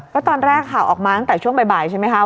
ก็ตอนแรกข่าวออกมาตั้งแต่ช่วงบ่ายใช่ไหมคะ